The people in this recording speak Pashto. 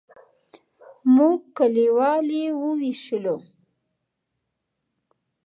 موږ کلیوال یې وویشلو.